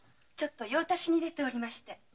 ちょっと用たしに出ておりまして。